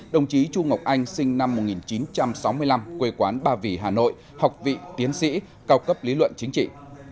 đồng chí chu ngọc anh sinh năm một nghìn chín trăm sáu mươi năm quê quán ba vì hà nội học vị tiến sĩ cao cấp lý luận chính trị